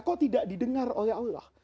kok tidak didengar oleh allah